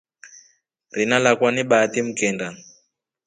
Rina lakwa ni Bahati mkenda.